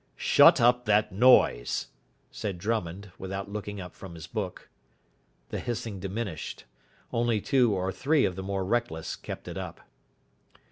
"Shut up that noise," said Drummond, without looking up from his book. The hissing diminished. Only two or three of the more reckless kept it up.